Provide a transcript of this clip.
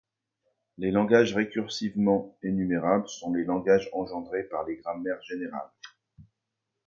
Les langages récursivement énumérables sont les langages engendrés par les grammaires générales.